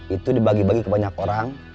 itu dibagi bagi ke banyak orang